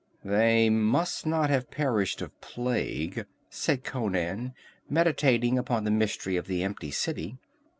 "They must not have perished of plague," said Conan, meditating upon the mystery of the empty city.